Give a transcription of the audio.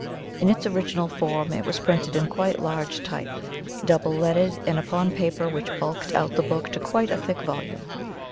In its original form, it was printed in quite large type, double leaded, and upon paper which "bulked out" the book to quite a thick volume.